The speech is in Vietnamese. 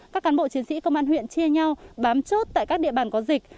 các cán bộ chiến sĩ công an huyện chia nhau bám chốt tại các địa bàn có dịch